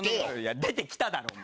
出てきただろ、お前。